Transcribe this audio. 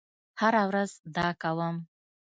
هره ورځ دا کوم